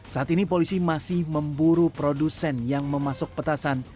saat ini polisi masih memburu produsen yang memasuk petasan